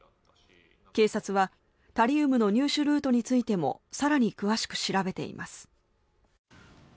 警察はタリウムの入手ルートについても更に詳しく調べています。